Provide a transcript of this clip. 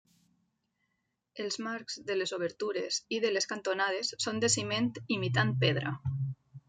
Els marcs de les obertures i de les cantonades són de ciment imitant pedra.